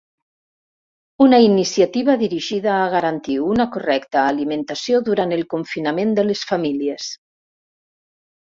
Una iniciativa dirigida a garantir una correcta alimentació durant el confinament de les famílies.